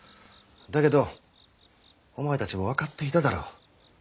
だけどお前たちも分かっていただろう。